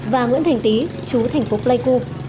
và nguyễn thành tý chú thành phố pleiku